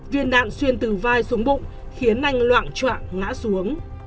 viên đạn xuyên từ vai xuống bụng khiến anh loạn trọng ngã xuống